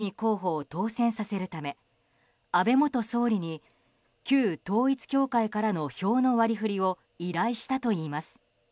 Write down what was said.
宮島喜文候補を当選させるため安倍元総理に旧統一教会からの票の割り振りを依頼したといいます。